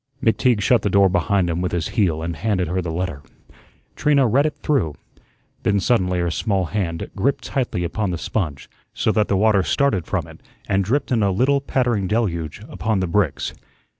McTeague shut the door behind him with his heel and handed her the letter. Trina read it through. Then suddenly her small hand gripped tightly upon the sponge, so that the water started from it and dripped in a little pattering deluge upon the bricks.